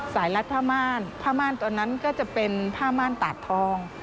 รัดผ้าม่านผ้าม่านตัวนั้นก็จะเป็นผ้าม่านตาดทอง